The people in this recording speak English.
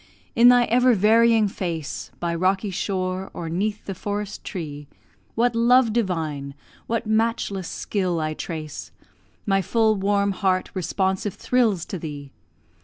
in thy ever varying face, By rocky shore, or 'neath the forest tree, What love divine, what matchless skill, I trace! My full warm heart responsive thrills to thee.